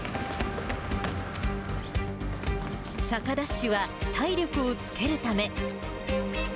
坂ダッシュは体力をつけるため。